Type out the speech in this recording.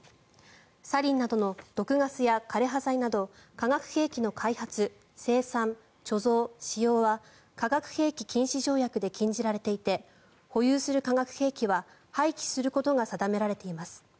サリンなどの毒ガスや枯れ葉剤など化学兵器の開発、生産、貯蔵、使用は化学兵器禁止条約で禁じられていて保有する化学兵器は廃棄することが定められています。